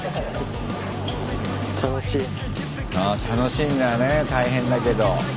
楽しいんだよね大変だけど。